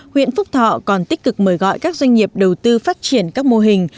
huyện phúc thọ còn tích cực mời gọi các doanh nghiệp đầu tư phát triển các mô hình